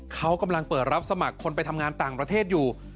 เขากำลังเปิดรับสมัครคนไปทำงานต่างประเทศอยู่